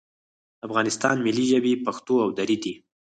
د افغانستان ملي ژبې پښتو او دري دي